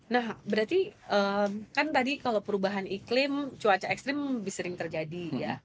nah berarti kan tadi kalau perubahan iklim cuaca ekstrim lebih sering terjadi ya